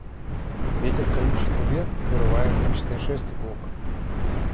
Ветер колючий трубе вырывает дымчатой шерсти клок.